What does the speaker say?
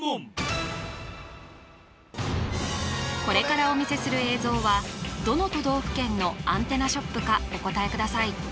これからお見せする映像はどの都道府県のアンテナショップかお答えください